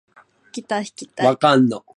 ギター弾きたい